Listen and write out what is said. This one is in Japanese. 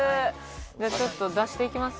じゃあちょっと出していきます？